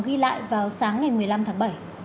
ghi lại vào sáng ngày một mươi năm tháng bảy